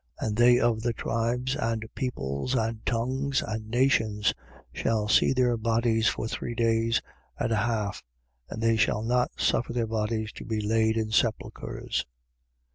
11:9. And they of the tribes and peoples and tongues and nations shall see their bodies for three days and a half: and they shall not suffer their bodies to be laid in sepulchres.